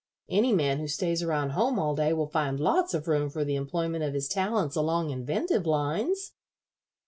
Any man who stays around home all day will find lots of room for the employment of his talents along inventive lines."